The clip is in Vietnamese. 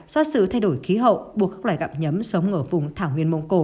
do sự thay đổi khí hậu buộc các loài gặm nhấm sống ở vùng thảo nguyên mông cổ